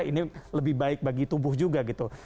ini lebih baik bagi tubuh juga gitu